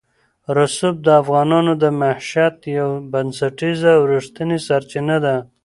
رسوب د افغانانو د معیشت یوه بنسټیزه او رښتینې سرچینه ده.